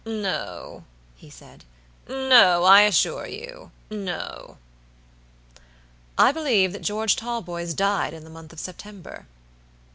"No," he said, "no, I assure you, no." "I believe that George Talboys died in the month of September."